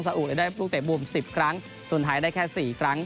ซาอุเลยได้ลูกเตะมุม๑๐ครั้งส่วนไทยได้แค่๔ครั้ง